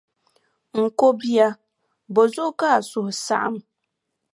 N ko bia, bɔ zuɣu ka a suhu saɣim?